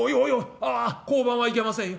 ああ交番はいけませんよ。